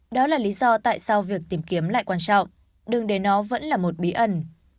đó là lý do tại sao việc tìm kiếm lại quan trọng đừng để nó vẫn là một bí ẩn